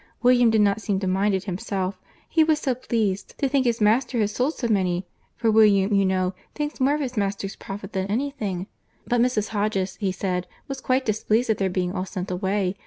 William did not seem to mind it himself, he was so pleased to think his master had sold so many; for William, you know, thinks more of his master's profit than any thing; but Mrs. Hodges, he said, was quite displeased at their being all sent away.